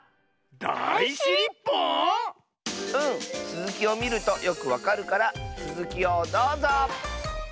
つづきをみるとよくわかるからつづきをどうぞ！